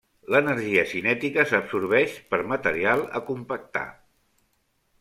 L'energia cinètica s'absorbeix per material a compactar.